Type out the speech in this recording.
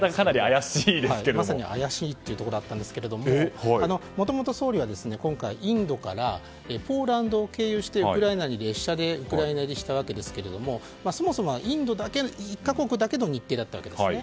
まさに怪しいというところだったんですがもともと総理は今回インドからポーランドを経由して列車でウクライナ入りしたわけですがそもそもインド１か国だけの日程だったんですね。